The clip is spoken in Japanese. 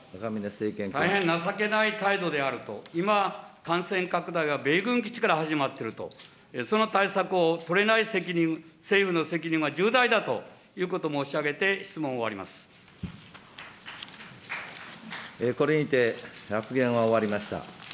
大変情けない態度であると、今、感染拡大は米軍基地から始まっていると、その対策を取れない責任、政府の責任は重大だということを申し上げて、質問を終わりこれにて、発言は終わりました。